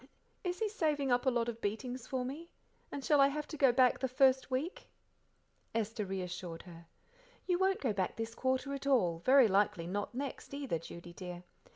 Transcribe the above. "Is he saving up a lot of beatings for me? And shall I have to go back the first week?" Esther reassured her. "You won't go back this quarter at all, very likely not next either, Judy dear.